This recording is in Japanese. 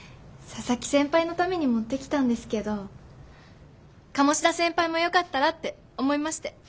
佐々木先輩のために持ってきたんですけど鴨志田先輩もよかったらって思いまして。